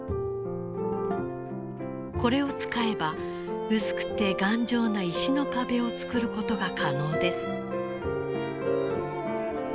これを使えば薄くて頑丈な石の壁を作ることが可能です。